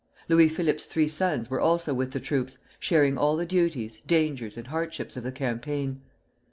Louis Philippe's three sons were also with the troops, sharing all the duties, dangers, and hardships of the campaign.